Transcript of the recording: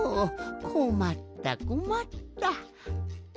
こまったこまった。